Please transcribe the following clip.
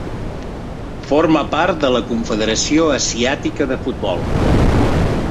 Forma part de la Confederació Asiàtica de Futbol.